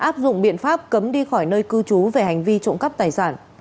cấp cấm đi khỏi nơi cư trú về hành vi trộm cắp tài sản